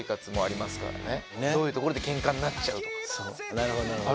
なるほどなるほど。